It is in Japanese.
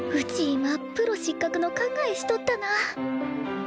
今プロ失格の考えしとったな。